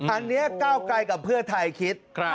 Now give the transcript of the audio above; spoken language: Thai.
อันนี้ก้าวไกลกับเพื่อไทยคิด